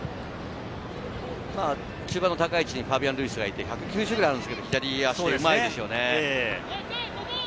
中盤の高い位置にファビアン・ルイスがいて、１９０あるんですけれど、左足がうまいですよね。